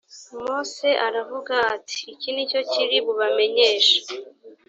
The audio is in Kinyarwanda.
mose aravuga ati iki ni cyo kiri bubamenyeshe